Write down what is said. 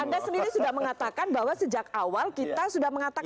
anda sendiri sudah mengatakan bahwa sejak awal kita sudah mengatakan